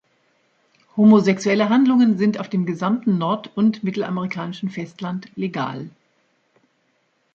Homosexuelle Handlungen sind auf dem gesamten nord- und mittelamerikanischen Festland legal.